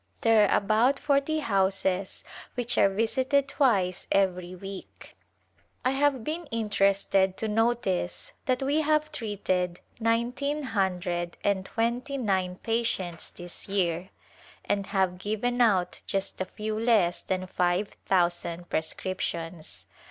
There are about forty houses which are visited twice every week. [ 109] A Glimpse of India I have been interested to notice that we have treated nineteen hundred and tu^enty nine patients this year and have given out just a fev/ less than five thousand prescriptions.